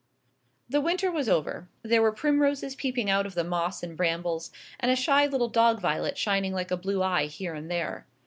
The winter was over; there were primroses peeping out of the moss and brambles, and a shy little dog violet shining like a blue eye here and there.